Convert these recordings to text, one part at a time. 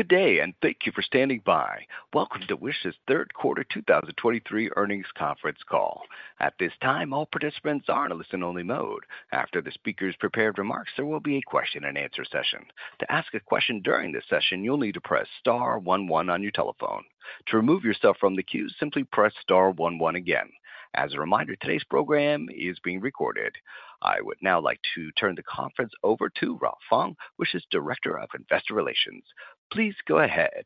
Good day, and thank you for standing by. Welcome to Wish's third quarter 2023 earnings conference call. At this time, all participants are in a listen-only mode. After the speakers' prepared remarks, there will be a question-and-answer session. To ask a question during this session, you'll need to press star one one on your telephone. To remove yourself from the queue, simply press star one one again. As a reminder, today's program is being recorded. I would now like to turn the conference over to Ralph Fong, who is Director of Investor Relations. Please go ahead.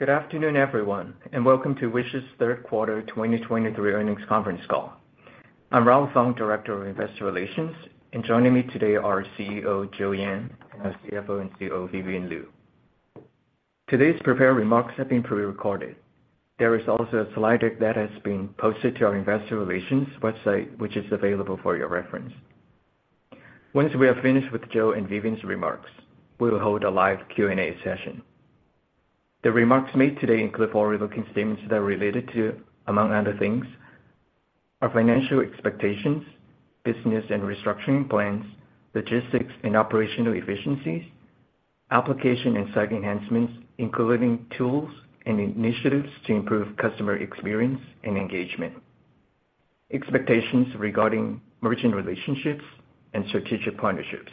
Good afternoon, everyone, and welcome to Wish's third quarter 2023 earnings conference call. I'm Ralph Fong, Director of Investor Relations, and joining me today are CEO Joe Yan and our CFO and COO, Vivian Liu. Today's prepared remarks have been pre-recorded. There is also a slide deck that has been posted to our investor relations website, which is available for your reference. Once we are finished with Joe and Vivian's remarks, we will hold a live Q&A session. The remarks made today include forward-looking statements that are related to, among other things, our financial expectations, business and restructuring plans, logistics and operational efficiencies, application and site enhancements, including tools and initiatives to improve customer experience and engagement, expectations regarding merchant relationships and strategic partnerships,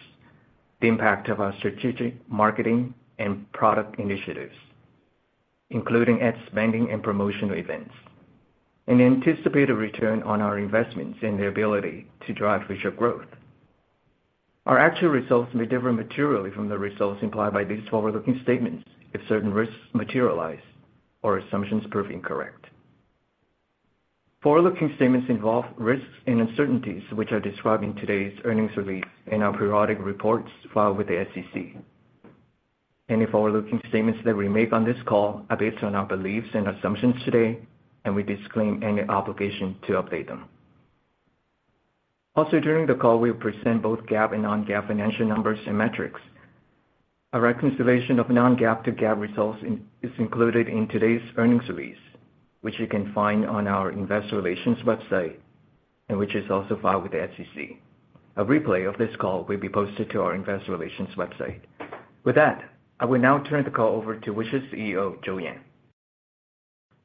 the impact of our strategic marketing and product initiatives, including ad spending and promotional events, and anticipated return on our investments and the ability to drive future growth. Our actual results may differ materially from the results implied by these forward-looking statements if certain risks materialize or assumptions prove incorrect. Forward-looking statements involve risks and uncertainties which are described in today's earnings release in our periodic reports filed with the SEC. Any forward-looking statements that we make on this call are based on our beliefs and assumptions today, and we disclaim any obligation to update them. Also, during the call, we will present both GAAP and non-GAAP financial numbers and metrics. A reconciliation of non-GAAP to GAAP results is included in today's earnings release, which you can find on our investor relations website, and which is also filed with the SEC. A replay of this call will be posted to our investor relations website. With that, I will now turn the call over to Wish's CEO, Joe Yan.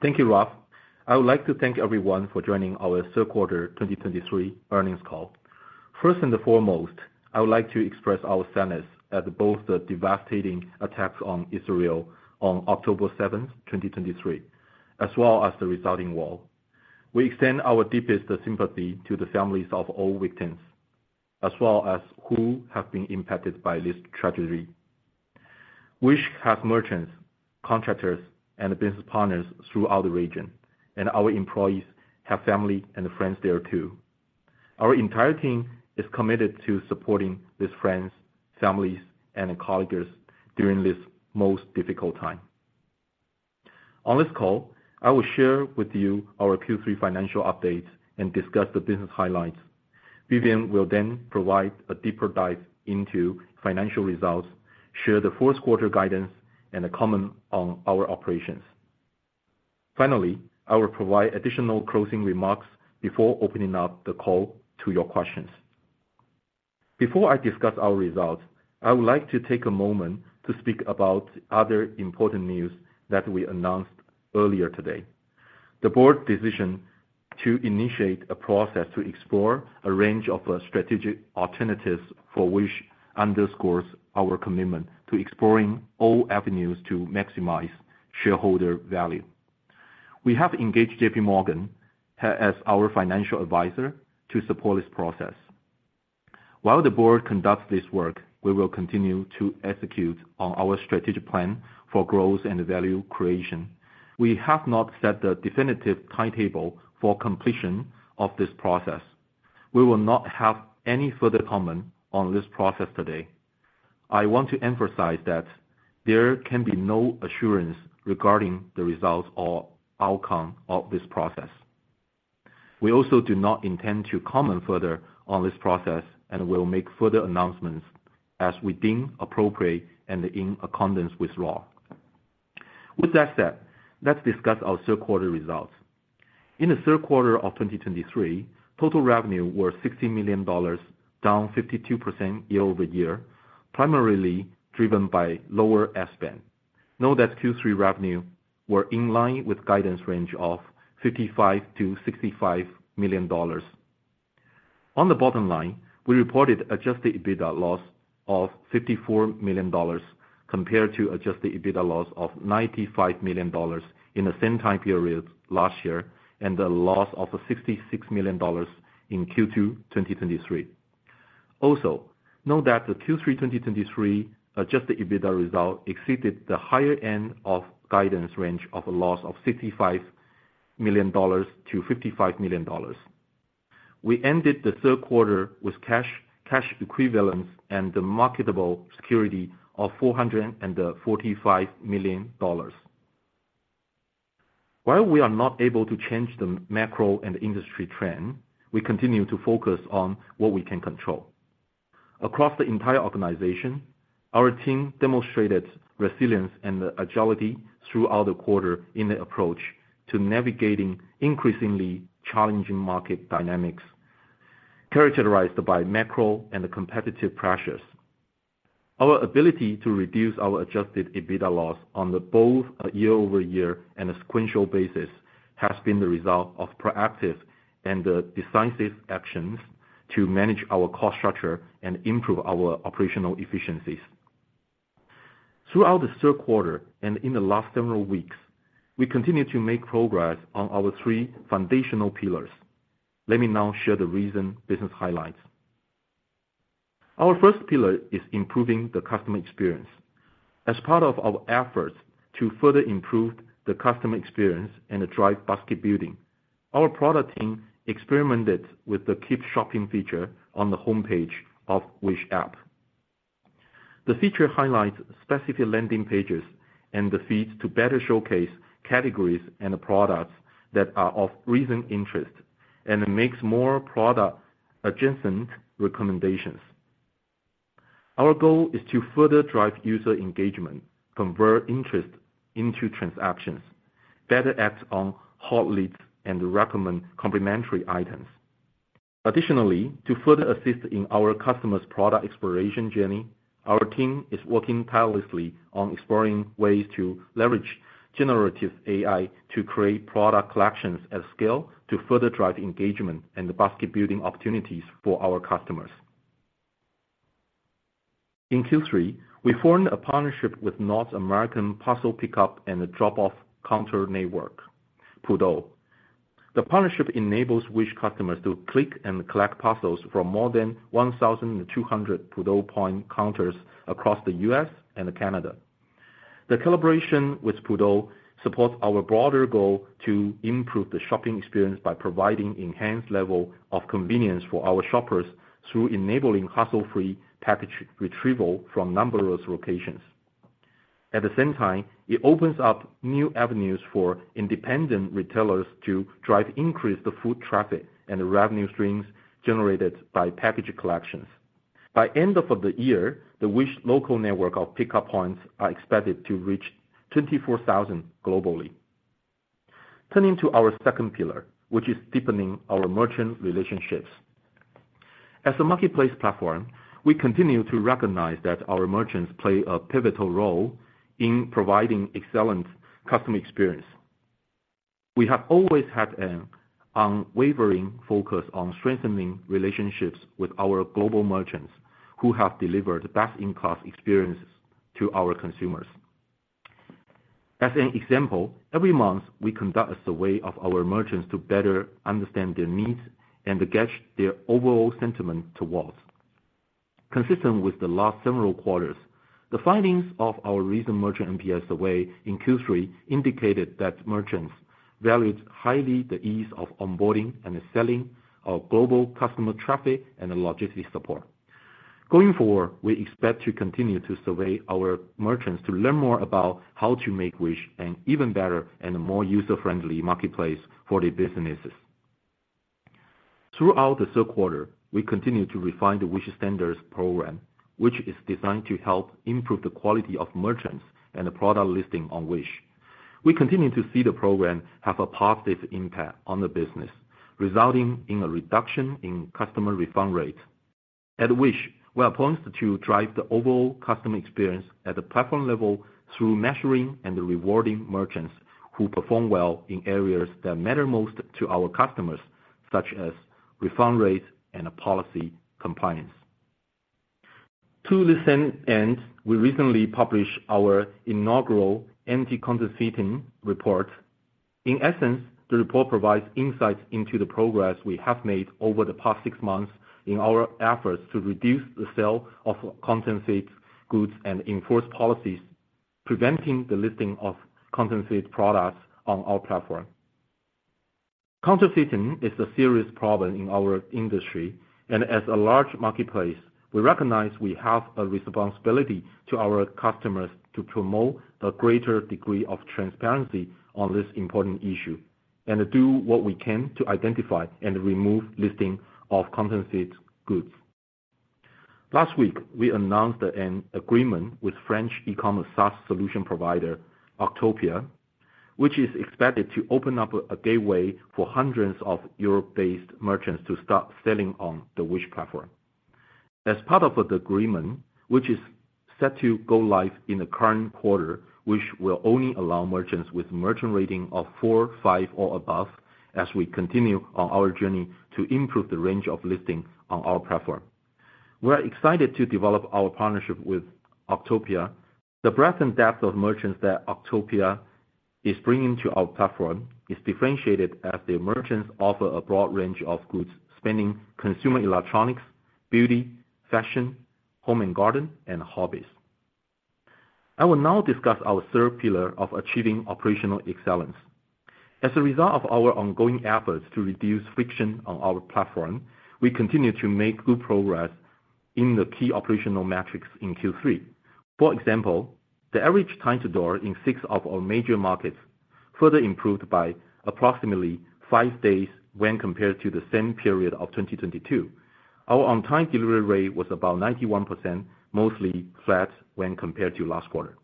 Thank you, Ralph. I would like to thank everyone for joining our third quarter 2023 earnings call. First and the foremost, I would like to express our sadness at both the devastating attacks on Israel on October 7th, 2023, as well as the resulting war. We extend our deepest sympathy to the families of all victims, as well as who have been impacted by this tragedy. Wish has merchants, contractors, and business partners throughout the region, and our employees have family and friends there, too. Our entire team is committed to supporting these friends, families, and colleagues during this most difficult time. On this call, I will share with you our Q3 financial updates and discuss the business highlights. Vivian will then provide a deeper dive into financial results, share the fourth quarter guidance, and comment on our operations. Finally, I will provide additional closing remarks before opening up the call to your questions. Before I discuss our results, I would like to take a moment to speak about other important news that we announced earlier today. The board's decision to initiate a process to explore a range of strategic alternatives, Wish underscores our commitment to exploring all avenues to maximize shareholder value. We have engaged J.P. Morgan as our financial advisor to support this process. While the board conducts this work, we will continue to execute on our strategic plan for growth and value creation. We have not set the definitive timetable for completion of this process. We will not have any further comment on this process today. I want to emphasize that there can be no assurance regarding the results or outcome of this process. We also do not intend to comment further on this process and will make further announcements as we deem appropriate and in accordance with law. With that said, let's discuss our third quarter results. In the third quarter of 2023, total revenue were $60 million, down 52% year-over-year, primarily driven by lower ad spend. Note that Q3 revenue were in line with guidance range of $55 million-$65 million. On the bottom line, we reported Adjusted EBITDA loss of $54 million, compared to Adjusted EBITDA loss of $95 million in the same time period last year, and a loss of $66 million in Q2 2023. Also, note that the Q3 2023 Adjusted EBITDA result exceeded the higher end of guidance range of a loss of $65 million to $55 million. We ended the third quarter with cash, cash equivalents, and the marketable security of $445 million. While we are not able to change the macro and industry trend, we continue to focus on what we can control. Across the entire organization, our team demonstrated resilience and agility throughout the quarter in the approach to navigating increasingly challenging market dynamics, characterized by macro and the competitive pressures. Our ability to reduce our Adjusted EBITDA loss on both a year-over-year and a sequential basis has been the result of proactive and decisive actions to manage our cost structure and improve our operational efficiencies. Throughout the third quarter and in the last several weeks, we continue to make progress on our three foundational pillars. Let me now share the recent business highlights. Our first pillar is improving the customer experience. As part of our efforts to further improve the customer experience and drive basket building, our product team experimented with the Keep Shopping feature on the homepage of Wish app. The feature highlights specific landing pages and the feeds to better showcase categories and the products that are of recent interest, and it makes more product adjacent recommendations. Our goal is to further drive user engagement, convert interest into transactions, better act on hot leads, and recommend complementary items. Additionally, to further assist in our customers' product exploration journey, our team is working tirelessly on exploring ways to leverage generative AI to create product collections at scale, to further drive engagement and the basket building opportunities for our customers. In Q3, we formed a partnership with North American parcel pickup and drop-off counter network, PUDO. The partnership enables Wish customers to click and collect parcels from more than 1,200 PUDO point counters across the U.S. and Canada. The collaboration with PUDO supports our broader goal to improve the shopping experience by providing enhanced level of convenience for our shoppers through enabling hassle-free package retrieval from numerous locations. At the same time, it opens up new avenues for independent retailers to drive increased foot traffic and revenue streams generated by package collections. By end of the year, the Wish Local network of pickup points are expected to reach 24,000 globally. Turning to our second pillar, which is deepening our merchant relationships. As a marketplace platform, we continue to recognize that our merchants play a pivotal role in providing excellent customer experience. We have always had an unwavering focus on strengthening relationships with our global merchants, who have delivered best-in-class experiences to our consumers. As an example, every month, we conduct a survey of our merchants to better understand their needs and to gauge their overall sentiment towards. Consistent with the last several quarters, the findings of our recent Merchant NPS survey in Q3 indicated that merchants valued highly the ease of onboarding and selling our global customer traffic and logistics support. Going forward, we expect to continue to survey our merchants to learn more about how to make Wish an even better and more user-friendly marketplace for their businesses. Throughout the third quarter, we continued to refine the Wish Standards Program, which is designed to help improve the quality of merchants and the product listing on Wish. We continue to see the program have a positive impact on the business, resulting in a reduction in customer refund rates. At Wish, we're poised to drive the overall customer experience at a platform level through measuring and rewarding merchants who perform well in areas that matter most to our customers, such as refund rates and policy compliance. To the same end, we recently published our inaugural anti-counterfeiting report. In essence, the report provides insights into the progress we have made over the past six months in our efforts to reduce the sale of counterfeit goods and enforce policies, preventing the listing of counterfeit products on our platform. Counterfeiting is a serious problem in our industry, and as a large marketplace, we recognize we have a responsibility to our customers to promote a greater degree of transparency on this important issue, and do what we can to identify and remove listing of counterfeit goods. Last week, we announced an agreement with French e-commerce SaaS solution provider, Octopia, which is expected to open up a gateway for hundreds of Europe-based merchants to start selling on the Wish platform. As part of the agreement, which is set to go live in the current quarter, Wish will only allow merchants with merchant rating of four, five, or above, as we continue on our journey to improve the range of listings on our platform. We are excited to develop our partnership with Octopia. The breadth and depth of merchants that Octopia is bringing to our platform is differentiated as the merchants offer a broad range of goods, spanning consumer electronics, beauty, fashion, home and garden, and hobbies. I will now discuss our third pillar of achieving operational excellence. As a result of our ongoing efforts to reduce friction on our platform, we continue to make good progress in the key operational metrics in Q3. For example, the average time to door in six of our major markets further improved by approximately five days when compared to the same period of 2022. Our on-time delivery rate was about 91%, mostly flat when compared to last quarter.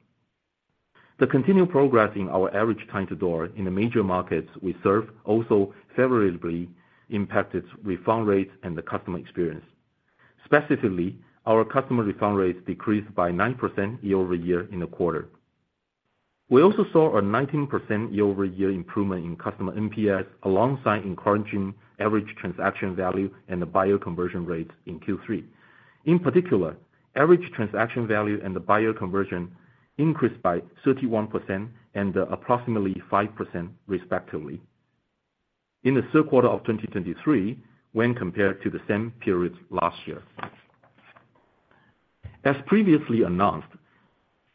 The continued progress in our average time to door in the major markets we serve also favorably impacted refund rates and the customer experience. Specifically, our customer refund rates decreased by 9% year-over-year in the quarter. We also saw a 19% year-over-year improvement in customer NPS, alongside encouraging average transaction value and the buyer conversion rates in Q3. In particular, average transaction value and the buyer conversion increased by 31% and approximately 5% respectively in the third quarter of 2023, when compared to the same period last year. As previously announced,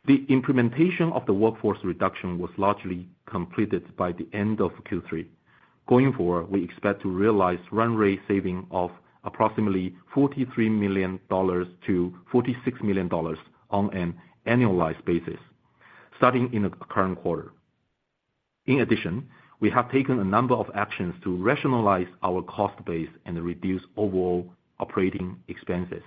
the implementation of the workforce reduction was largely completed by the end of Q3. Going forward, we expect to realize run rate saving of approximately $43 million-$46 million on an annualized basis, starting in the current quarter. In addition, we have taken a number of actions to rationalize our cost base and reduce overall operating expenses.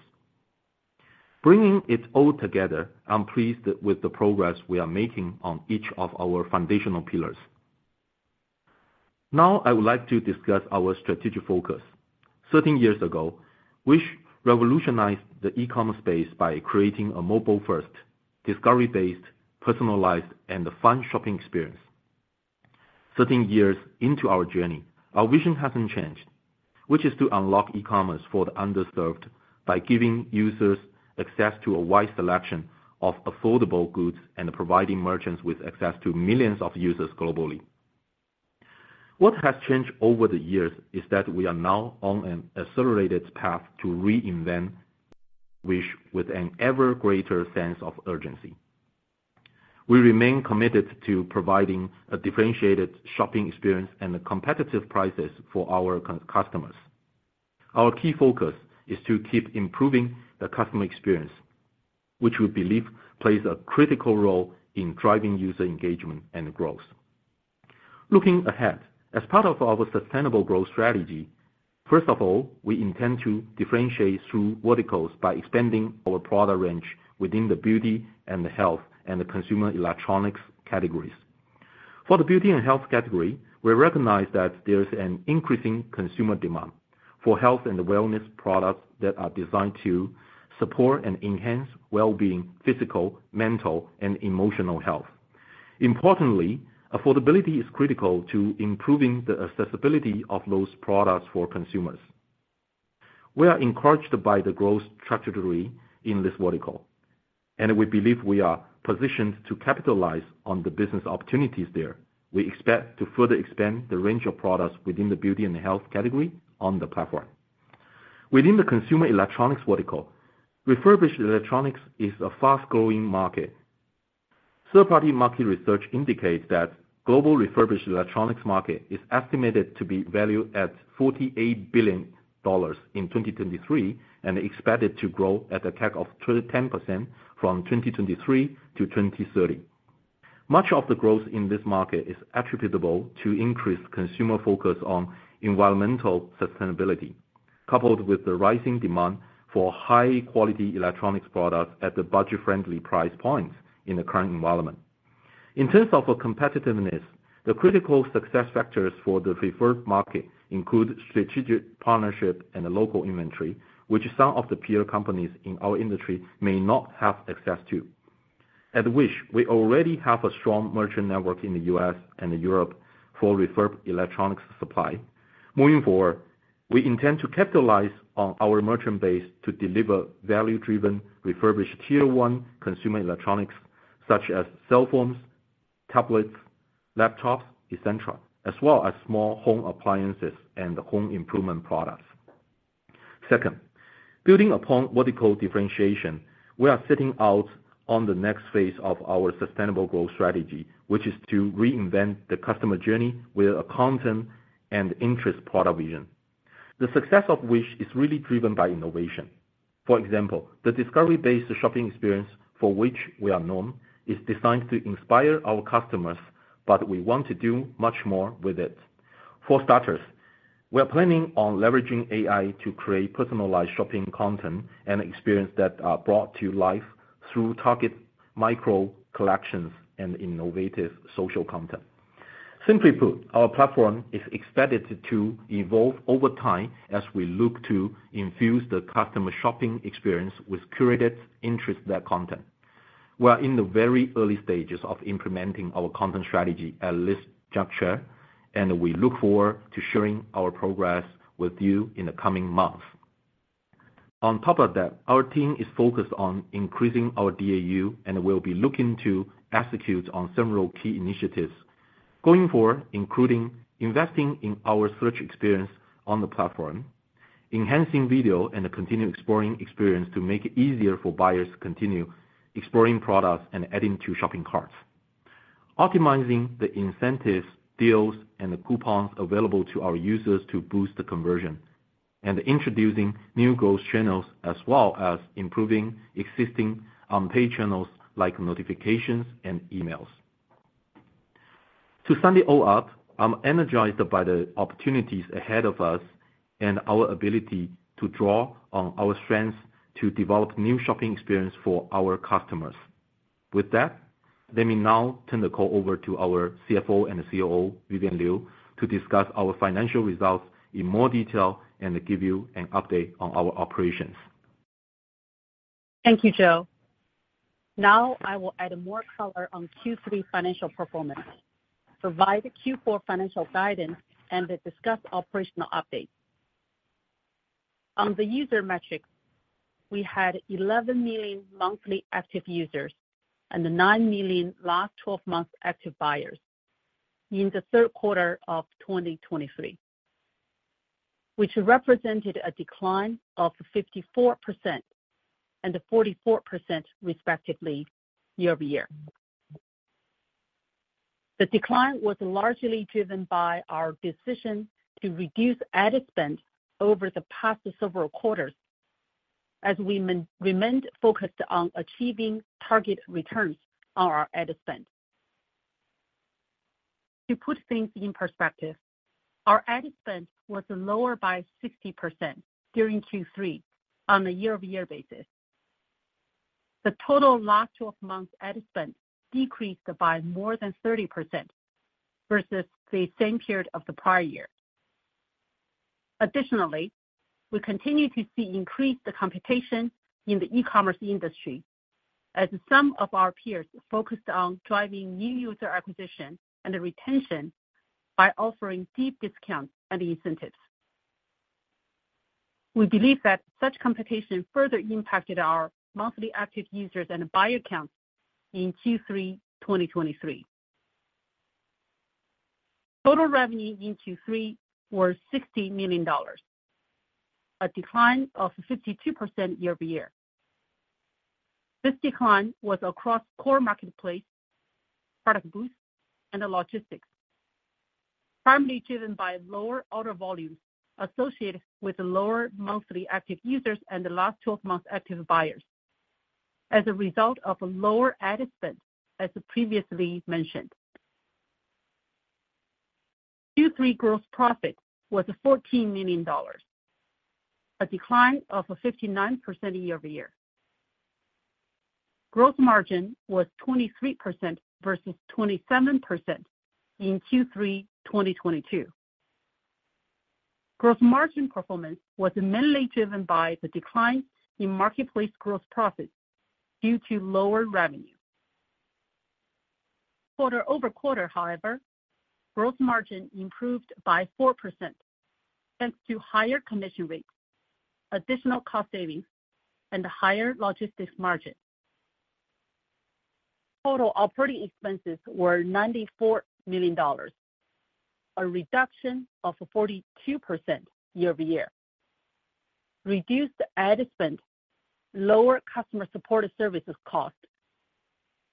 Bringing it all together, I'm pleased with the progress we are making on each of our foundational pillars. Now, I would like to discuss our strategic focus. 13 years ago, we revolutionized the e-commerce space by creating a mobile-first, discovery-based, personalized, and a fun shopping experience. 13 years into our journey, our vision hasn't changed, which is to unlock e-commerce for the underserved by giving users access to a wide selection of affordable goods and providing merchants with access to millions of users globally. What has changed over the years is that we are now on an accelerated path to reinvent, Wish an ever greater sense of urgency. We remain committed to providing a differentiated shopping experience and competitive prices for our customers. Our key focus is to keep improving the customer experience, which we believe plays a critical role in driving user engagement and growth. Looking ahead, as part of our sustainable growth strategy, first of all, we intend to differentiate through verticals by expanding our product range within the beauty and the health, and the consumer electronics categories. For the beauty and health category, we recognize that there's an increasing consumer demand for health and wellness products that are designed to support and enhance well-being, physical, mental, and emotional health. Importantly, affordability is critical to improving the accessibility of those products for consumers. We are encouraged by the growth trajectory in this vertical, and we believe we are positioned to capitalize on the business opportunities there. We expect to further expand the range of products within the beauty and health category on the platform. Within the consumer electronics vertical, refurbished electronics is a fast-growing market. Third-party market research indicates that the global refurbished electronics market is estimated to be valued at $48 billion in 2023, and expected to grow at a CAGR of 10% from 2023 to 2030. Much of the growth in this market is attributable to increased consumer focus on environmental sustainability, coupled with the rising demand for high-quality electronics products at the budget-friendly price points in the current environment. In terms of our competitiveness, the critical success factors for the refurb market include strategic partnership and local inventory, which some of the peer companies in our industry may not have access to. At Wish, we already have a strong merchant network in the U.S. and Europe for refurb electronics supply. Moving forward, we intend to capitalize on our merchant base to deliver value-driven, refurbished Tier One consumer electronics, such as cell phones, tablets, laptops, et cetera, as well as small home appliances and home improvement products. Second, building upon vertical differentiation, we are setting out on the next phase of our sustainable growth strategy, which is to reinvent the customer journey with a content and interest product vision. The success of Wish is really driven by innovation. For example, the discovery-based shopping experience for which we are known, is designed to inspire our customers, but we want to do much more with it. For starters, we are planning on leveraging AI to create personalized shopping content and experience that are brought to life through target micro collections and innovative social content. Simply put, our platform is expected to evolve over time as we look to infuse the customer shopping experience with curated interest-led content. We are in the very early stages of implementing our content strategy at this juncture, and we look forward to sharing our progress with you in the coming months. On top of that, our team is focused on increasing our DAU, and we'll be looking to execute on several key initiatives going forward, including investing in our search experience on the platform, enhancing video and the continued exploring experience to make it easier for buyers to continue exploring products and adding to shopping carts, optimizing the incentives, deals, and the coupons available to our users to boost the conversion, and introducing new growth channels, as well as improving existing unpaid channels like notifications and emails. To sum it all up, I'm energized by the opportunities ahead of us and our ability to draw on our strengths to develop new shopping experience for our customers. With that, let me now turn the call over to our CFO and COO, Vivian Liu, to discuss our financial results in more detail and to give you an update on our operations. Thank you, Joe. Now I will add more color on Q3 financial performance, provide Q4 financial guidance, and to discuss operational updates. On the user metrics, we had 11 million monthly active users and nine million last twelve months active buyers in the third quarter of 2023, which represented a decline of 54% and 44% respectively year-over-year. The decline was largely driven by our decision to reduce ad spend over the past several quarters as we remained focused on achieving target returns on our ad spend. To put things in perspective, our ad spend was lower by 60% during Q3 on a year-over-year basis. The total last twelve months ad spend decreased by more than 30% versus the same period of the prior year. Additionally, we continue to see increased competition in the e-commerce industry as some of our peers focused on driving new user acquisition and retention by offering deep discounts and incentives. We believe that such competition further impacted our monthly active users and buyer counts in Q3 2023. Total revenue in Q3 was $60 million, a decline of 52% year-over-year. This decline was across core marketplace, ProductBoost, and logistics, primarily driven by lower order volumes associated with lower monthly active users and the last twelve months active buyers as a result of lower ad spend, as previously mentioned. Q3 gross profit was $14 million, a decline of 59% year-over-year. Gross margin was 23% versus 27% in Q3 2022. Gross margin performance was mainly driven by the decline in marketplace gross profit due to lower revenue. Quarter-over-quarter, however, gross margin improved by 4%, thanks to higher commission rates, additional cost savings, and higher logistics margin. Total operating expenses were $94 million, a reduction of 42% year-over-year. Reduced ad spend, lower customer support services cost,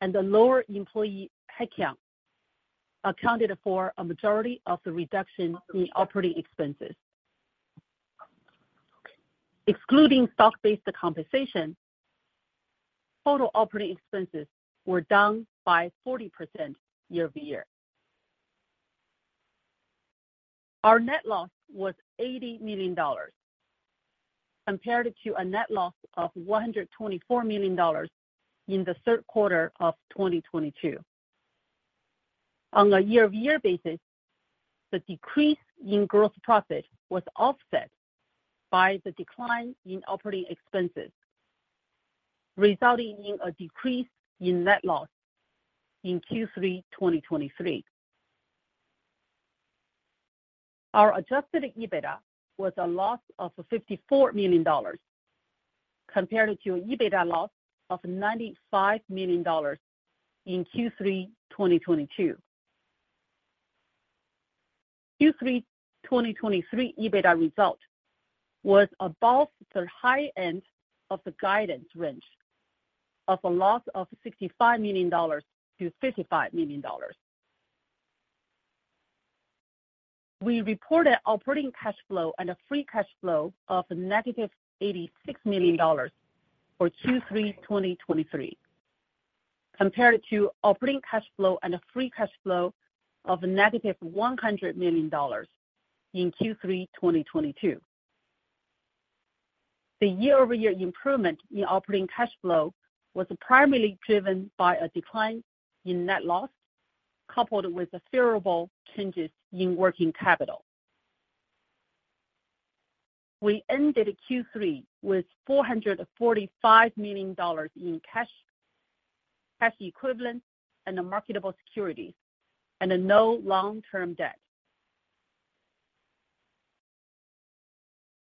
and lower employee headcount accounted for a majority of the reduction in operating expenses. Excluding stock-based compensation, total operating expenses were down by 40% year-over-year. Our net loss was $80 million, compared to a net loss of $124 million in the third quarter of 2022. On a year-over-year basis, the decrease in gross profit was offset by the decline in operating expenses, resulting in a decrease in net loss in Q3 2023. Our Adjusted EBITDA was a loss of $54 million, compared to an EBITDA loss of $95 million in Q3 2022. Q3 2023 EBITDA result was above the high end of the guidance range of a loss of $65 million-$55 million. We reported operating cash flow and a free cash flow of -$86 million for Q3 2023, compared to operating cash flow and a free cash flow of -$100 million in Q3 2022. The year-over-year improvement in operating cash flow was primarily driven by a decline in net loss, coupled with favorable changes in working capital. We ended Q3 with $445 million in cash, cash equivalents, and marketable securities, and no long-term debt.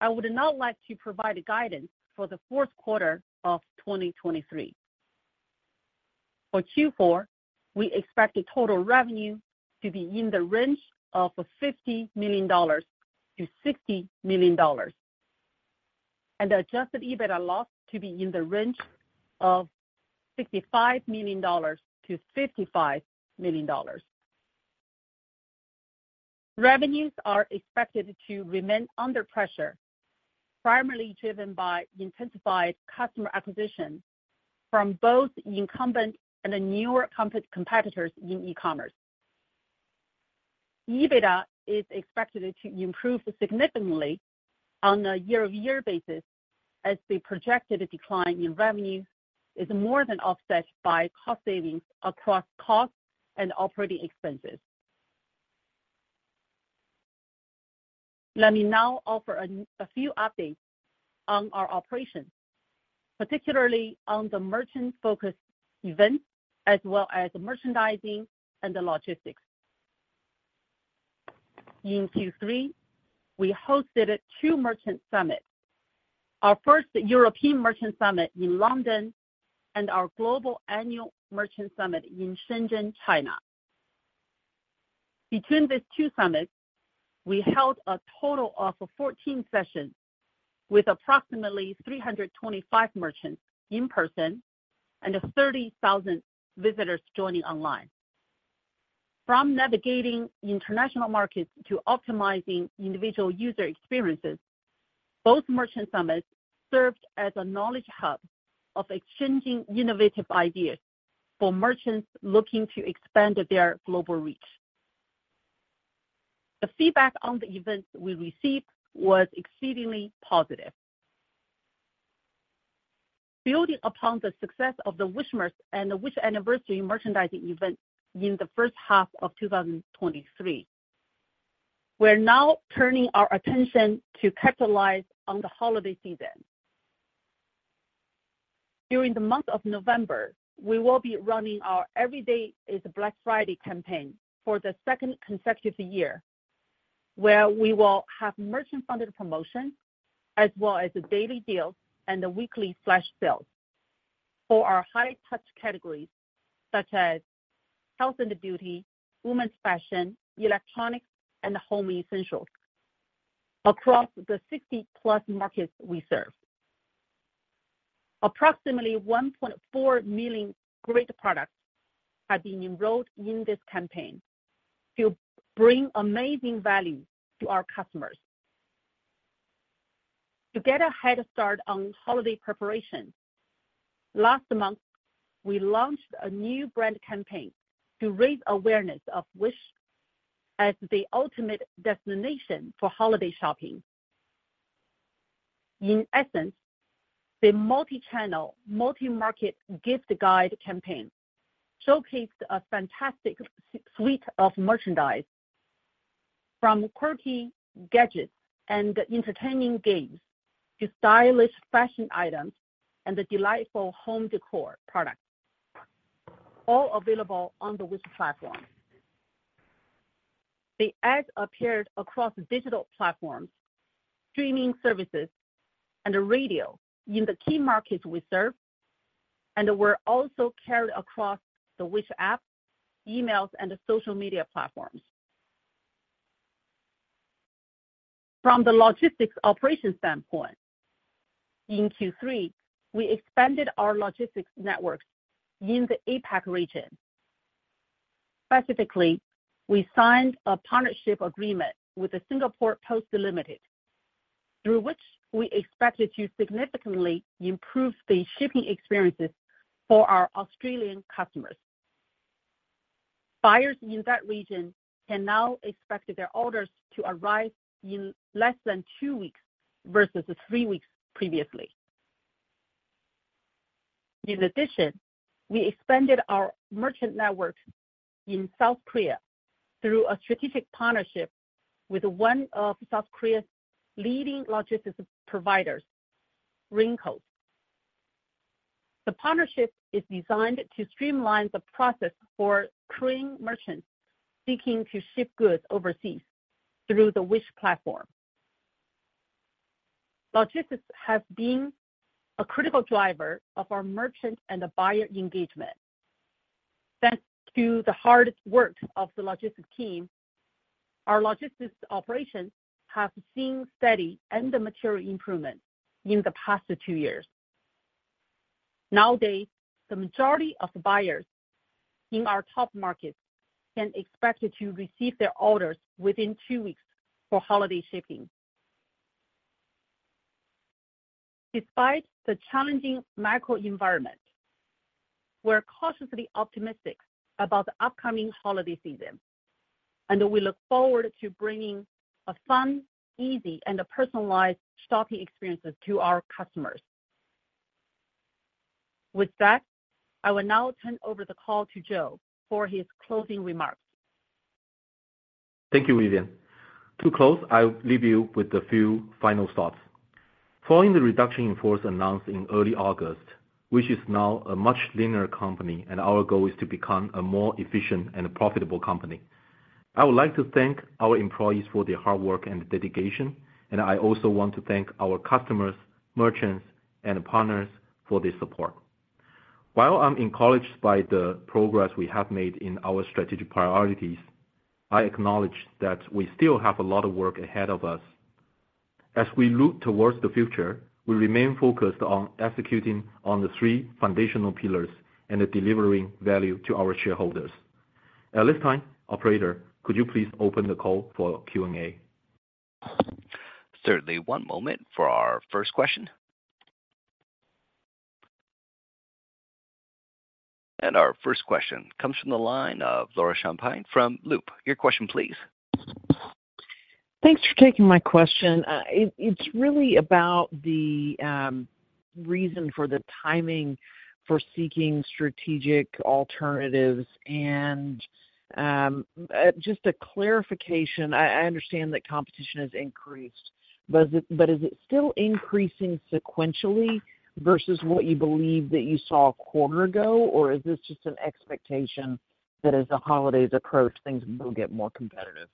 I would now like to provide guidance for the fourth quarter of 2023. For Q4, we expect the total revenue to be in the range of $50 million-$60 million.... The adjusted EBITDA loss is expected to be in the range of $65 million-$55 million. Revenues are expected to remain under pressure, primarily driven by intensified customer acquisition from both incumbent and the newer competitors in e-commerce. EBITDA is expected to improve significantly on a year-over-year basis, as the projected decline in revenue is more than offset by cost savings across costs and operating expenses. Let me now offer a few updates on our operations, particularly on the merchant-focused events, as well as merchandising and the logistics. In Q3, we hosted two merchant summits, our first European merchant summit in London and our global annual merchant summit in Shenzhen, China. Between these two summits, we held a total of 14 sessions with approximately 325 merchants in person and 30,000 visitors joining online. From navigating international markets to optimizing individual user experiences, both merchant summits served as a knowledge hub of exchanging innovative ideas for merchants looking to expand their global reach. The feedback on the events we received was exceedingly positive. Building upon the success of the Wishmas and the Wish anniversary merchandising event in the first half of 2023, we're now turning our attention to capitalize on the holiday season. During the month of November, we will be running our Every Day is Black Friday campaign for the second consecutive year, where we will have merchant-funded promotion as well as the daily deals and the weekly flash sales for our high-touch categories, such as health and beauty, women's fashion, electronics, and home essentials across the 60+ markets we serve. Approximately 1.4 million great products have been enrolled in this campaign to bring amazing value to our customers. To get a head start on holiday preparation, last month, we launched a new brand campaign to raise awareness of Wish as the ultimate destination for holiday shopping. In essence, the multi-channel, multi-market gift guide campaign showcased a fantastic suite of merchandise from quirky gadgets and entertaining games to stylish fashion items and the delightful home decor products, all available on the Wish platform. The ads appeared across digital platforms, streaming services, and radio in the key markets we serve and were also carried across the Wish app, emails, and the social media platforms. From the logistics operation standpoint, in Q3, we expanded our logistics networks in the APAC region. Specifically, we signed a partnership agreement with the Singapore Post Limited, through which we expected to significantly improve the shipping experiences for our Australian customers. Buyers in that region can now expect their orders to arrive in less than two weeks versus the three weeks previously. In addition, we expanded our merchant network in South Korea through a strategic partnership with one of South Korea's leading logistics providers, Rincos. The partnership is designed to streamline the process for Korean merchants seeking to ship goods overseas through the Wish platform. Logistics has been a critical driver of our merchant and the buyer engagement. Thanks to the hard work of the logistics team, our logistics operations have seen steady and the material improvement in the past two years. Nowadays, the majority of buyers in our top markets can expect to receive their orders within two weeks for holiday shipping. Despite the challenging macro environment, we're cautiously optimistic about the upcoming holiday season, and we look forward to bringing a fun, easy, and a personalized shopping experience to our customers. With that, I will now turn over the call to Joe for his closing remarks. Thank you, Vivian. To close, I'll leave you with a few final thoughts. Following the reduction in force announced in early August, Wish is now a much leaner company, and our goal is to become a more efficient and profitable company. I would like to thank our employees for their hard work and dedication, and I also want to thank our customers, merchants, and partners for their support.... While I'm encouraged by the progress we have made in our strategic priorities, I acknowledge that we still have a lot of work ahead of us. As we look towards the future, we remain focused on executing on the three foundational pillars and delivering value to our shareholders. At this time, operator, could you please open the call for Q&A? Certainly. One moment for our first question. Our first question comes from the line of Laura Champine from Loop. Your question, please. Thanks for taking my question. It's really about the reason for the timing for seeking strategic alternatives. And, just a clarification, I understand that competition has increased, but is it still increasing sequentially versus what you believe that you saw a quarter ago? Or is this just an expectation that as the holidays approach, things will get more competitive?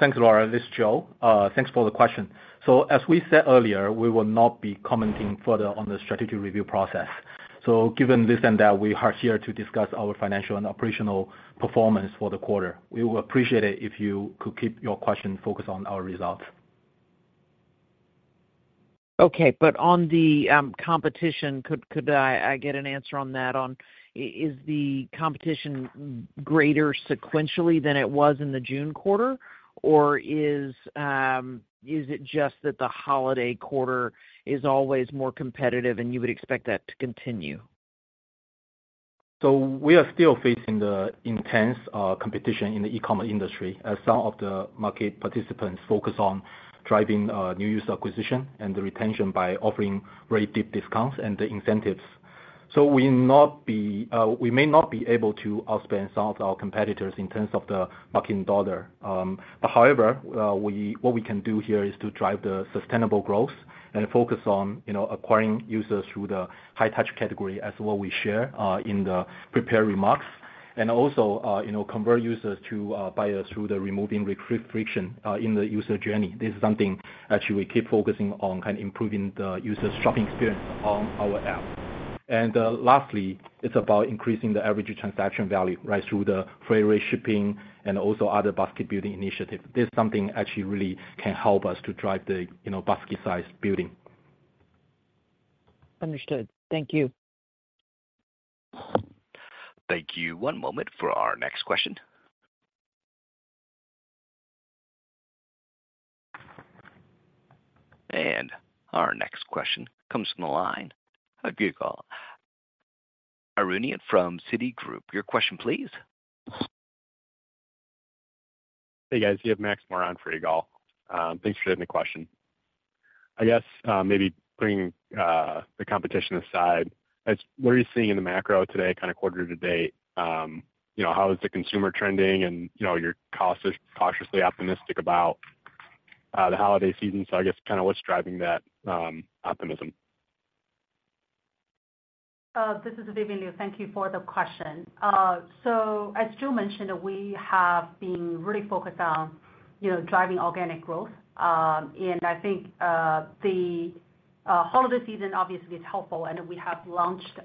Thanks, Laura. This is Joe. Thanks for the question. So as we said earlier, we will not be commenting further on the strategic review process. So given this and that, we are here to discuss our financial and operational performance for the quarter. We will appreciate it if you could keep your question focused on our results. Okay. But on the competition, could I get an answer on that? Is the competition greater sequentially than it was in the June quarter? Or is it just that the holiday quarter is always more competitive, and you would expect that to continue? So we are still facing the intense competition in the e-commerce industry, as some of the market participants focus on driving new user acquisition and the retention by offering very deep discounts and the incentives. We may not be able to outspend some of our competitors in terms of the marketing dollar. But however, what we can do here is to drive the sustainable growth and focus on, you know, acquiring users through the high-touch category, as what we share in the prepared remarks, and also, you know, convert users to buyers through reducing friction in the user journey. This is something actually we keep focusing on, kind of improving the user's shopping experience on our app. Lastly, it's about increasing the average transaction value, right, through the free rate shipping and also other basket-building initiative. This is something actually really can help us to drive the, you know, basket size building. Understood. Thank you. Thank you. One moment for our next question. Our next question comes from the line of Ygal Arounian from Citigroup. Your question, please. Hey, guys, you have Max Moore for Ygal. Thanks for taking the question. I guess, maybe bringing the competition aside, as what are you seeing in the macro today, kind of quarter to date? You know, how is the consumer trending? And, you know, you're cautiously, cautiously optimistic about the holiday season. So I guess, kind of what's driving that optimism? This is Vivian Liu. Thank you for the question. So as Joe mentioned, we have been really focused on, you know, driving organic growth. And I think, the holiday season obviously is helpful, and we have launched,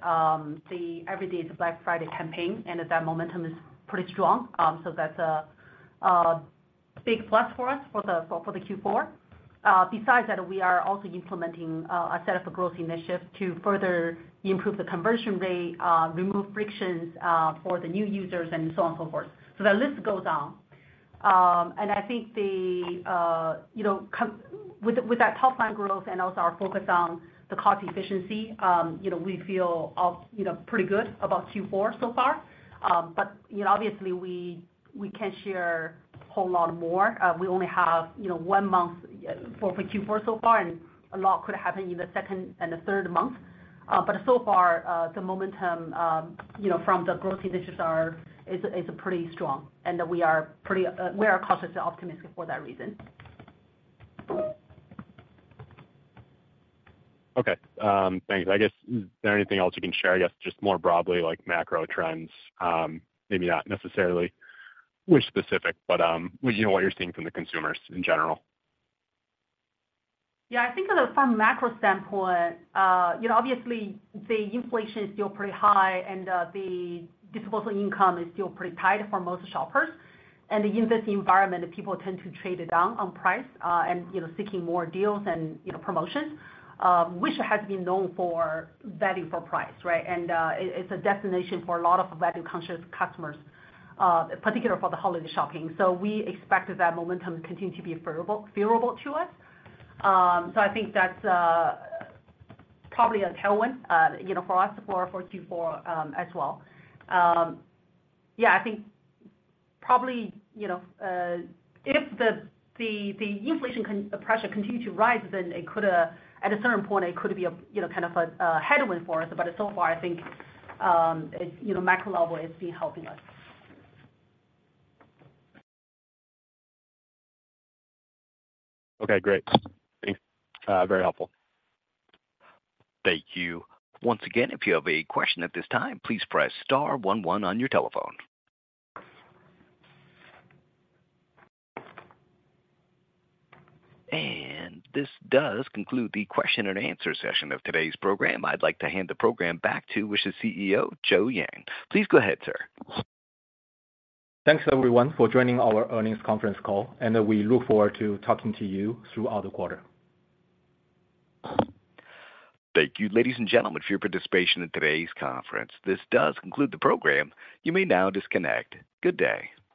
the Everyday Is Black Friday campaign, and that momentum is pretty strong. So that's a big plus for us for the Q4. Besides that, we are also implementing, a set of growth initiatives to further improve the conversion rate, remove frictions, for the new users and so on, so forth. So the list goes on. And I think, you know, with that top line growth and also our focus on the cost efficiency, you know, we feel, you know, pretty good about Q4 so far. But, you know, obviously we can't share a whole lot more. We only have, you know, one month for Q4 so far, and a lot could happen in the second and the third month. But so far, the momentum, you know, from the growth initiatives is pretty strong, and we are pretty cautiously optimistic for that reason. Okay. Thanks. I guess, is there anything else you can share, I guess, just more broadly, like macro trends? Maybe not necessarily with specific, but, you know, what you're seeing from the consumers in general. Yeah, I think from a macro standpoint, you know, obviously the inflation is still pretty high and, the disposable income is still pretty tight for most shoppers. And in this environment, people tend to trade down on price, and, you know, seeking more deals and, you know, promotions, which has been known for battling for price, right? And, it's a destination for a lot of value-conscious customers, particularly for the holiday shopping. So we expect that momentum to continue to be favorable, favorable to us. So I think that's, probably a tailwind, you know, for us for, for Q4, as well. Yeah, I think probably, you know, if the, the, the inflation con- pressure continue to rise, then it could, at a certain point, it could be a, you know, kind of a, a headwind for us. So far, I think, it's, you know, macro level is been helping us. Okay, great. Thanks. Very helpful. Thank you. Once again, if you have a question at this time, please press star one one on your telephone. This does conclude the question and answer session of today's program. I'd like to hand the program back to Wish's CEO, Joe Yan. Please go ahead, sir. Thanks, everyone, for joining our earnings conference call, and we look forward to talking to you throughout the quarter. Thank you, ladies and gentlemen, for your participation in today's conference. This does conclude the program. You may now disconnect. Good day!